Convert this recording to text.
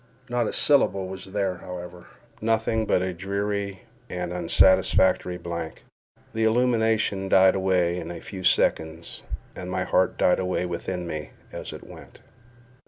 Not a syllable was there, however—nothing but a dreary and unsatisfactory blank; the illumination died away in a few seconds, and my heart died away within me as it went.